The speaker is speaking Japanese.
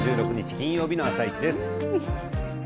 金曜日の「あさイチ」です。